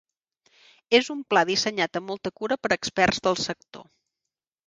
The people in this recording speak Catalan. És un pla dissenyat amb molta cura per experts del sector.